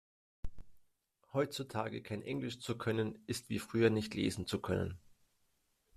Heutzutage kein Englisch zu können ist wie früher nicht lesen zu können.